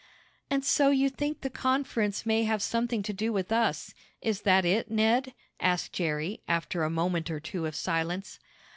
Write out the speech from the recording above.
"And so you think the conference may have something to do with us; is that it, Ned?" asked Jerry, after a moment or two of silence.